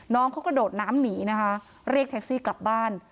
น้องเขากระโดดน้ำหนีนะคะเรียกแท็กซี่กลับบ้าน